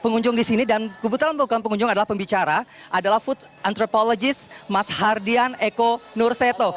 pengunjung di sini dan kebetulan bukan pengunjung adalah pembicara adalah food antropologist mas hardian eko nurseto